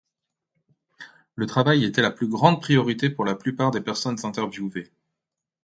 Le travail était la plus grande priorité pour la plupart des personnes interviewées.